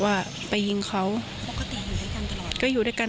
โทรไปถามว่าแม่ช่วยด้วยถูกจับ